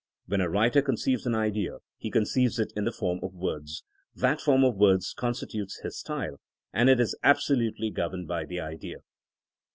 When a writer conceives an idea he conceives it in the form of words. That form of words constitutes his style, and it is absolutely gov erned by the idea.